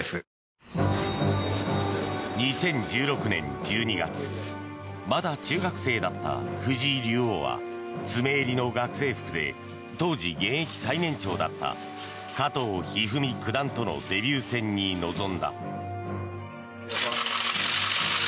２０１６年１２月まだ中学生だった藤井竜王は詰襟の学生服で当時、現役最年長だった加藤一二三九段とのデビュー戦に臨んだ。